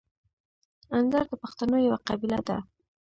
اندړ د پښتنو یوه قبیله ده.